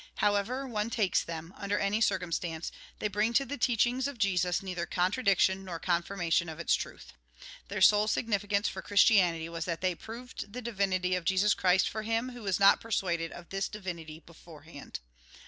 However one takes them, under any circumstance, they bring to the teaching of Jesus neither contradiction nor con firmation of its truth. Their sole significance for Christianity was that they proved the divinity cf Jesus Christ for him who was not persuaded of this divinity beforehand.